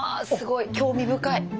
すごい興味深い。